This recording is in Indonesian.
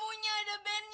ya ya itu terkeren